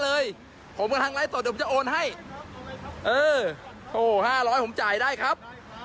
เออ๕๐๐ของผมจ่ายได้ครับ